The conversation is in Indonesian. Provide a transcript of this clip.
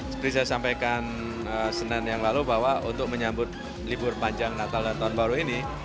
seperti saya sampaikan senin yang lalu bahwa untuk menyambut libur panjang natal dan tahun baru ini